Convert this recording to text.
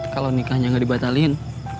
kalau nikahnya gak dibatalin